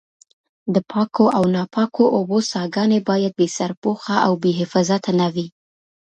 د پاکو او ناپاکو اوبو څاګانې باید بې سرپوښه او بې حفاظته نه وي.